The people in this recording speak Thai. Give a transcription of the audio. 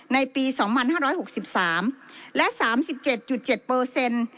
ในปีสองพันห้าร้อยหกสิบสามและสามสิบเจ็ดจุดเจ็ดเปอร์เซ็นต์